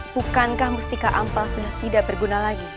bukankah mustika ampel sudah tidak berguna lagi